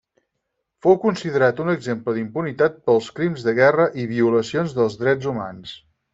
Fou considerat un exemple d'impunitat dels crims de guerra i violacions dels drets humans.